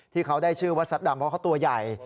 ที่เขาได้ชื่อว่าซัดดำเพราะเขาตัวใหญ่